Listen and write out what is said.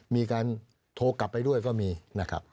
มีการโทรกลับไปด้วยก็มีนะครับ